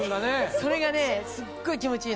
それがすっごい気持ちいいの。